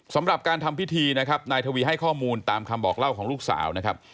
สำหรับการทำพิธีนายทวีให้ข้อมูลตามคำบอกเล่าของลูกสาว